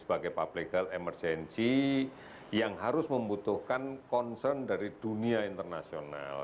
sebagai public health emergency yang harus membutuhkan concern dari dunia internasional